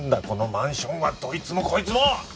このマンションはどいつもこいつも！